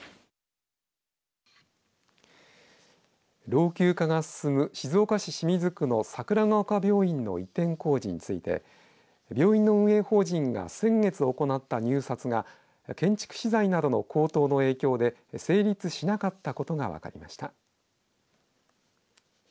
老朽化が進む静岡市清水区の桜ヶ丘病院の移転工事について病院の運営法人が先月行った入札が建築資材などの高騰の影響で成立しなかったことが分かりました。